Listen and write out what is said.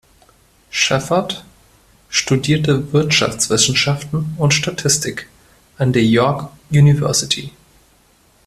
Shephard studierte Wirtschaftswissenschaften und Statistik an der York University.